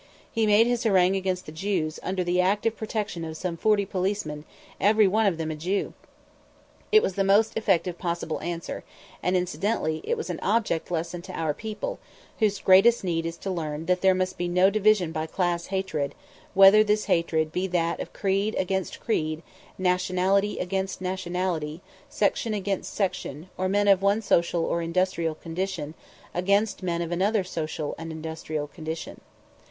He made his harangue against the Jews under the active protection of some forty policemen, every one of them a Jew! It was the most effective possible answer; and incidentally it was an object lesson to our people, whose greatest need it is to learn that there must be no division by class hatred, whether this hatred be that of creed against creed, nationality against nationality, section against section, or men of one social or industrial condition against men of another social and industrial condition.